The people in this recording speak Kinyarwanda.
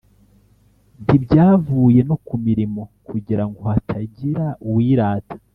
Ntibyavuye no ku mirimo kugira ngo hatagira uwirata